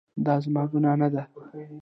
دا زما ګناه نه ده